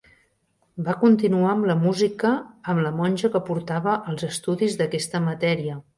Va continuar amb la música amb la monja que portava els estudis d'aquesta matèria.